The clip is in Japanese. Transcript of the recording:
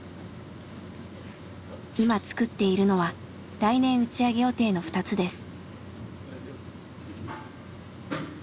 今作っているのは来年打ち上げ予定の２つです。